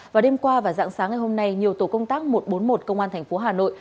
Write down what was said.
và đêm qua và dạng sáng ngày hôm nay nhiều tổ công tác một trăm bốn mươi một công an tp hà nội